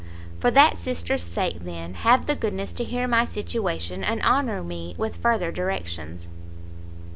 "For that sister's sake, then, have the goodness to hear my situation, and honour me with further directions."